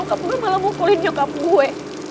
mokap gue malah pukulin nyokap gue